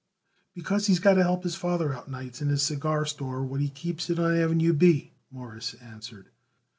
"Because he's got to help his father out nights in his cigar store what he keeps it on Avenue B," Morris answered.